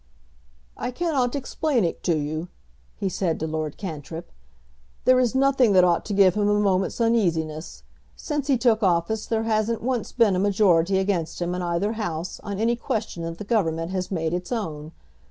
"I cannot explain it to you," he said to Lord Cantrip. "There is nothing that ought to give him a moment's uneasiness. Since he took office there hasn't once been a majority against him in either House on any question that the Government has made its own.